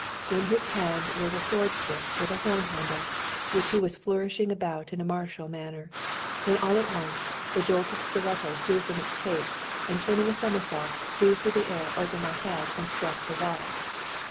In his hand was a sword stick with a horn handle, which he was flourishing about in a martial manner, when, all at once, the jolted stiletto flew from its case, and turning a somersault, flew through the air over my head and struck the wall.